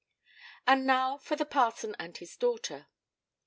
And now for the parson and his daughter.